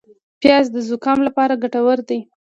پیاز د زکام لپاره ګټور دي